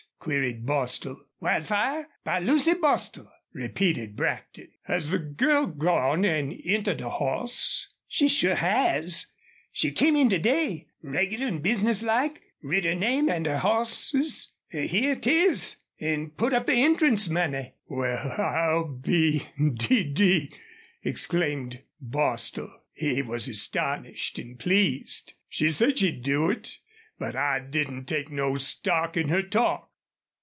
queried Bostil. "Wildfire, by Lucy Bostil," repeated Brackton. "Has the girl gone an' entered a hoss?" "She sure has. She came in to day, regular an' business like, writ her name an' her hoss's here 'tis an' put up the entrance money." "Wal, I'll be d d!" exclaimed Bostil. He was astonished and pleased. "She said she'd do it. But I didn't take no stock in her talk....